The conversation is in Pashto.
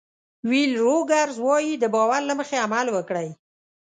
ویل روګرز وایي د باور له مخې عمل وکړئ.